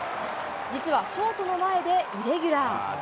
実はショートの前でイレギュラー。